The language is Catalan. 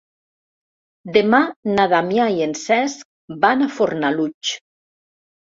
Demà na Damià i en Cesc van a Fornalutx.